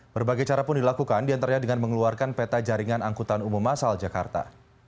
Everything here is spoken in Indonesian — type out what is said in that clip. berbagai cara pun dilakukan diantaranya dengan mengeluarkan peta jaringan angkutan umum asal jakarta